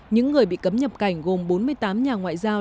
những người bị cấm nhập cảnh gồm bốn mươi tám nhà ngoại giao